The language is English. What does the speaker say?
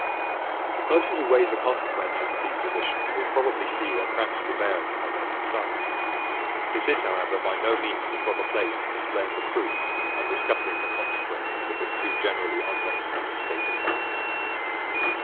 The person who weighs the consequences of these positions will probably see their practical bearing upon medical science. This is, however, by no means the proper place for displaying the proofs and discussing the consequences of this too generally unrecognized state of facts.